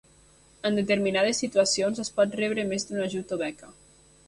En determinades situacions es pot rebre més d'un ajut o beca.